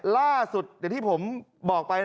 ล่าสุดเดี๋ยวที่ผมบอกไป